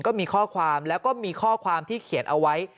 ก็มีข้อความแล้วก็มีข้อความที่เขียนเอาไว้